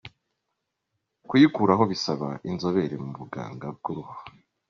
Kuyikuraho bisaba inzobere mu buganga bw’uruhu.